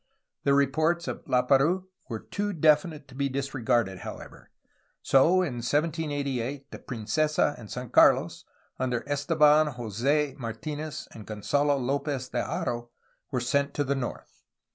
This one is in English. The reports of Laperouse were too definite to be disregarded, however. So in 1788 the Princesa and San Carlos under Esteban Jos6 artfnez and Gonzalo L6pez de Haro were sent to the north.